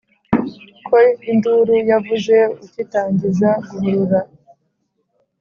Ko induru yavuze ukitangiza guhurura,